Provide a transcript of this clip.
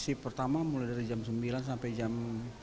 shift pertama mulai dari jam sembilan sampai jam satu